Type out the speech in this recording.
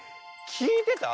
きいてた？